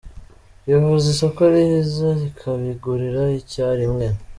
Twifuza isoko riza rikabigurira icya rimwe”.